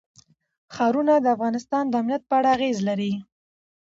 ښارونه د افغانستان د امنیت په اړه اغېز لري.